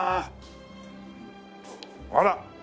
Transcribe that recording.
あら！